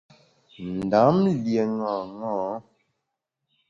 Ndam lié ṅaṅâ.